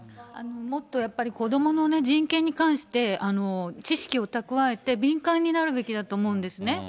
もっと子どもの人権に関して、知識を蓄えて、敏感になるべきだと思うんですね。